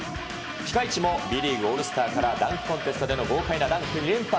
ピカイチもＢリーグオールスターからダンクコンテストの豪快なダンク２連発。